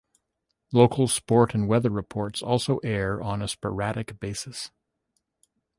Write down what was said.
Local sport and weather reports also air on an sporadic basis.